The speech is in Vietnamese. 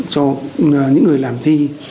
cho những người làm thi